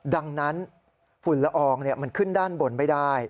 ดังนั้นฝุ่นละอองมันขึ้นด้านบนไม่ได้